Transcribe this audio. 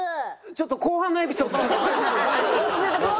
ちょっと後半のエピソード。